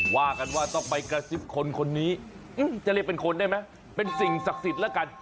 ว่ากันว่าต้องไปกระซิบคนคนนี้จะเรียกเป็นคนได้ไหมเป็นสิ่งศักดิ์สิทธิ์แล้วกัน